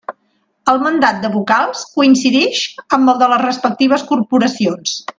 El mandat de vocals coincidix amb el de les respectives corporacions.